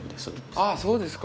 あそうですか。